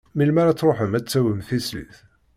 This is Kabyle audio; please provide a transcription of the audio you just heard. Melmi ara truḥem ad d-tawim tislit?